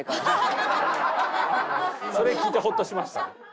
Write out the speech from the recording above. それ聞いてホッとしました。